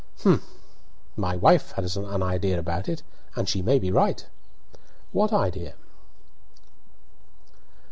"Humph! My wife has an idea about it, and she may be right " "What idea?"